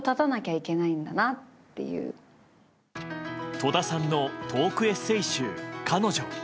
戸田さんのトークエッセー集「彼女」。